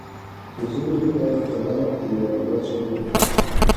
حضور پاک دراٞن تھی واپس ہُو